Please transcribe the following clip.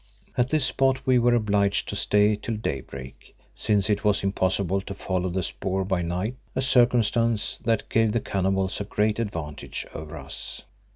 At this spot we were obliged to stay till daybreak, since it was impossible to follow the spoor by night, a circumstance that gave the cannibals a great advantage over us.